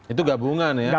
itu gabungan ya